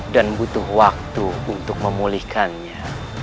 dan butuh waktu untuk memulihkannya